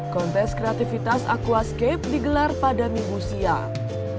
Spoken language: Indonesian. kontes kreativitas aquascape digelar pada minggu siang